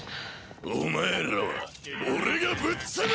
お前らは俺がぶっ潰す！